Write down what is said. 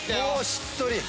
しっとり！